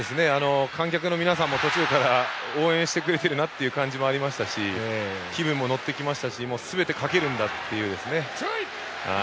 観客の皆さんも途中から応援してくれている感じもありましたし気分も乗ってきましたしすべてかけるんだという。